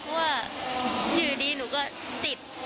เพราะว่าอยู่ดีหนูก็ติด